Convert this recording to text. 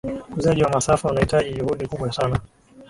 ukuzaji wa masafa unahitaji juhudi kubwa sana